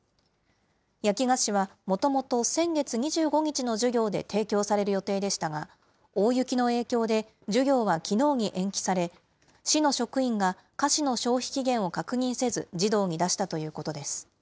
焼き菓子はもともと先月２５日の授業で提供される予定でしたが、大雪の影響で授業はきのうに延期され、市の職員が菓子の消費期限を確認せず、児童に出したということです。